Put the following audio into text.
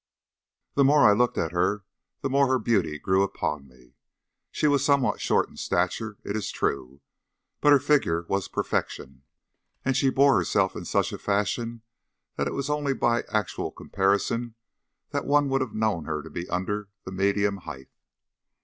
The more I looked at her the more her beauty grew upon me. She was somewhat short in stature, it is true; but her figure was perfection, and she bore herself in such a fashion that it was only by actual comparison that one would have known her to be under the medium height.